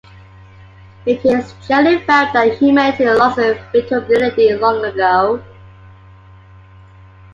It is generally felt that humanity lost its vitality long ago.